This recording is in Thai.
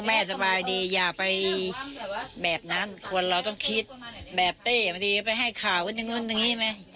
แม่สบายดีอย่าไปแบบนั้นควรเราต้องคิดแบบตะบาลดิเนี่ยให้ข่าวอยู่ทั่วนู่นไม่